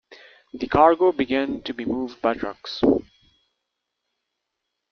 The cargo began to be moved by trucks.